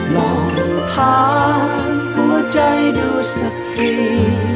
ลองถามหัวใจดูสักที